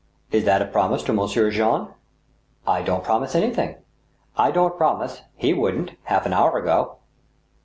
" Is that a promise to Monsieur Jean ?"•* I don't promise anything. I won't promise — he wouldn't, half an hour ago."